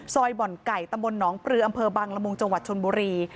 บ่อนไก่ตำบลหนองปลืออำเภอบังละมุงจังหวัดชนบุรี